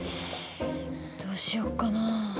どうしようかな。